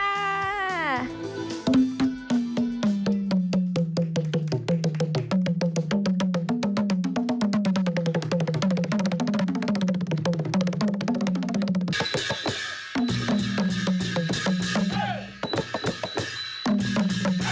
สวัสดีครับ